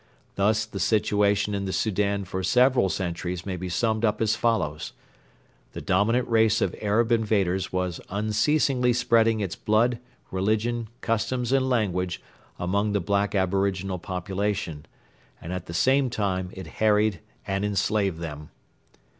Thus the situation in the Soudan for several centuries may be summed up as follows: The dominant race of Arab invaders was unceasingly spreading its blood, religion, customs, and language among the black aboriginal population, and at the same time it harried and enslaved them.